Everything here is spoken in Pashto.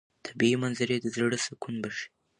طبیعي منظرې د زړه سکون بښي.